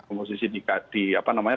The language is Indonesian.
komposisi di apa namanya